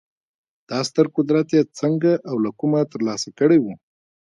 دا ستر قدرت یې څنګه او له کومه ترلاسه کړی و